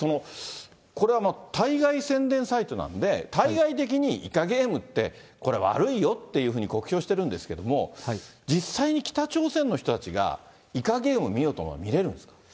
これは対外宣伝サイトなんで、対外的に、イカゲームってこれ、悪いよっていうふうに酷評してるんですけれども、実際に北朝鮮の人たちが、イカゲーム見ようと思えば見れるんですか。